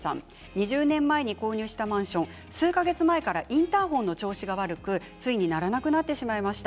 ２０年前に購入したマンション数か月前からインターホンの調子が悪く、ついに鳴らなくなってしまいました。